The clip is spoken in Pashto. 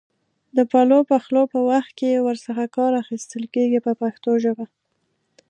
د پلو پخولو په وخت کې ور څخه کار اخیستل کېږي په پښتو ژبه.